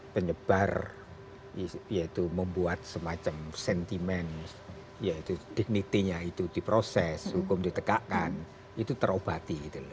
penyebar yaitu membuat semacam sentimen yaitu dignitinya itu diproses hukum ditekakan itu terobati